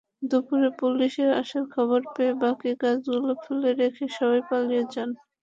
দুপুরে পুলিশ আসার খবর পেয়ে বাকি গাছগুলো ফেলে রেখে সবাই পালিয়ে যান।